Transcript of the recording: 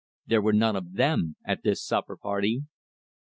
There were none of them at this supper party!